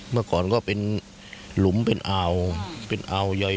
เมื่อก่อนก็เป็นหลุมเป็นอ่าวเป็นอ่าวใหญ่